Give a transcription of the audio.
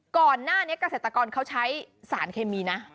ก่อนหน้านี้เกษตรกรเขาใช้สารเคมีนะ